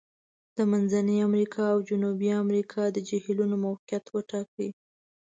د منځني امریکا او جنوبي امریکا د جهیلونو موقعیت وټاکئ.